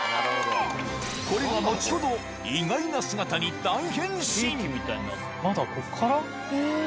これが後ほど意外な姿に大変まだここから？